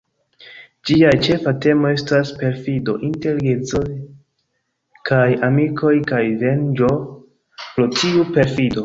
Ĝia ĉefa temo estas perfido inter geedzoj kaj amikoj kaj venĝo pro tiu perfido.